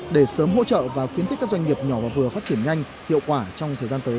để sớm hỗ trợ và khuyến khích các doanh nghiệp nhỏ và vừa phát triển nhanh hiệu quả trong thời gian tới